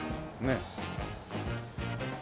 ねえ。